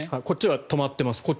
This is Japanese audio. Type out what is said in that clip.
こっちは止まっています